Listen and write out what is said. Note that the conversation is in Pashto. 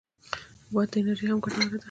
د باد انرژي هم ګټوره ده